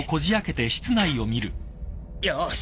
よし。